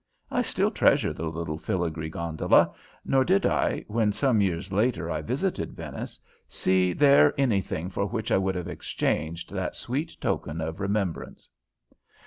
I still treasure the little filigree gondola, nor did I, when some years later I visited Venice, see there anything for which I would have exchanged that sweet token of remembrance.